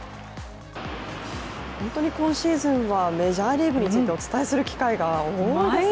本当に今シーズンはメジャーリーグについてお伝えする機会が多いですよね。